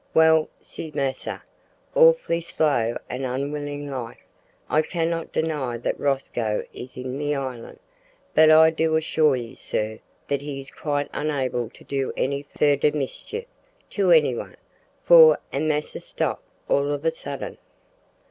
`Well,' ses massa, awful slow an' unwillin' like, `I cannot deny that Rosco is in the island, but I do assure you, sir, that he is quite unable to do any furder mischief to any one, for an massa stop all of a suddint.'